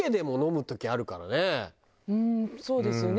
うんそうですよね。